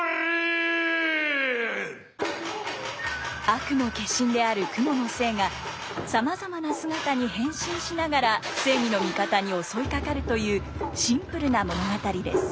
悪の化身である蜘蛛の精がさまざまな姿に変身しながら正義の味方に襲いかかるというシンプルな物語です。